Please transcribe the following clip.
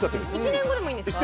１年後でもいいんですね。